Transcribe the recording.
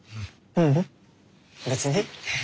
ううん別に。